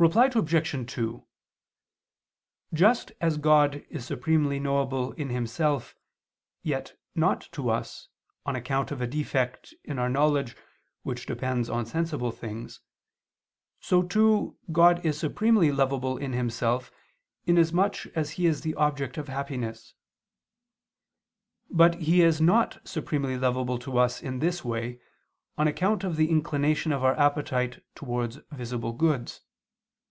Reply Obj. 2: Just as God is supremely knowable in Himself yet not to us, on account of a defect in our knowledge which depends on sensible things, so too, God is supremely lovable in Himself, in as much as He is the object of happiness. But He is not supremely lovable to us in this way, on account of the inclination of our appetite towards visible goods.